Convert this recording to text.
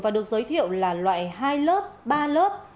và được giới thiệu là loại hai lớp ba lớp